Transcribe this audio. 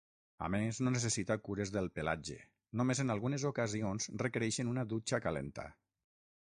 A més, no necessita cures del pelatge, només en algunes ocasions requereixen una dutxa calenta.